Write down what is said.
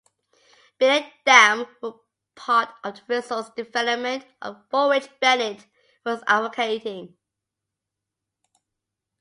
Bennett Dam, were part of the resource development for which Bennett was advocating.